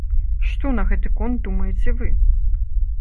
Што на гэты конт думаеце вы?